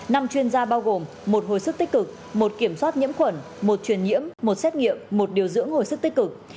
năm chuyên gia bao gồm một hồi sức tích cực một kiểm soát nhiễm khuẩn một truyền nhiễm một xét nghiệm một điều dưỡng hồi sức tích cực